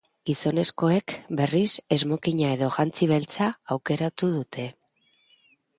Gizonezkoek, berriz, smokina edo jantzi beltza aukeratu dute.